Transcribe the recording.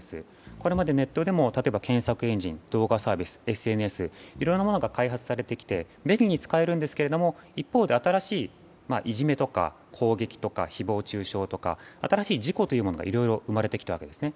これまでネットでも例えば検索エンジン、動画サイト、ＳＮＳ、いろいろなものが開発されてきて便利に使えるんですが一方で新しいいじめとか攻撃とか、誹謗中傷とか新しい事故というものがいろいろ生まれてきたわけですね。